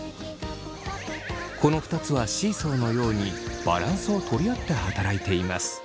この２つはシーソーのようにバランスを取り合って働いています。